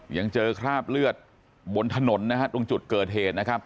ยังเจอคราบเลือดบนถนนนะฮะตรงจุดเกิดเหตุนะครับ